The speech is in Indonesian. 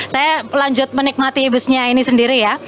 saya lanjut menikmati busnya ini sendiri ya